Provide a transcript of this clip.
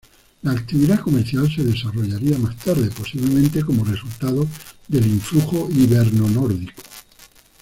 La actividad comercial se desarrollaría más tarde posiblemente como resultado del influjo hiberno-nórdico.